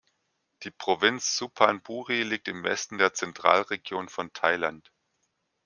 Die Provinz Suphan Buri liegt im Westen der Zentralregion von Thailand.